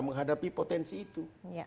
menghadapi potensi itu